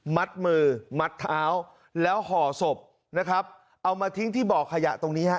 มัดมือมัดเท้าแล้วห่อศพนะครับเอามาทิ้งที่บ่อขยะตรงนี้ฮะ